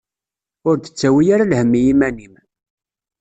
Ur d-ttawi ara lhemm i iman-im.